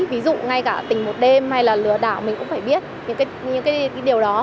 ví dụ ngay cả tình một đêm hay là lừa đảo mình cũng phải biết những điều đó